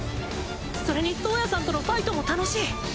それにトウヤさんとのファイトも楽しい！